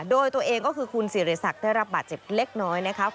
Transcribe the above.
โดยตัวเองก็คือคุณสิริสักได้รับบาดเจ็บเล็กน้อยนะครับ